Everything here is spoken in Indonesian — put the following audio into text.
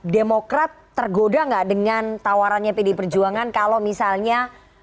demokrat tergoda nggak dengan tawarannya pdi perjuangan kalau misalnya